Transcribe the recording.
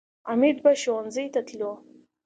حمید به ښوونځي ته تلو